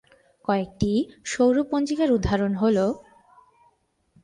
কয়েকটি সৌর পঞ্জিকার উদাহরণ হলোঃ